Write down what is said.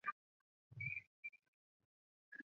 及后因为升中试成绩优良而考上庇理罗士女子中学。